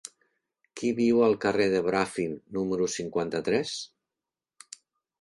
Qui viu al carrer de Bràfim número cinquanta-tres?